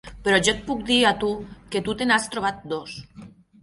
Però jo et puc dir a tu que tu te n'has trobat dos.